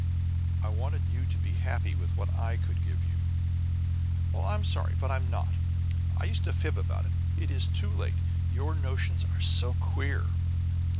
"I wanted you to be happy with what I could give you." "Well, I'm sorry, but I'm not. No use to fib about it! It is too late. Your notions are so queer."